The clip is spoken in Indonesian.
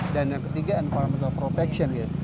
dan yang ketiga environmental protection ya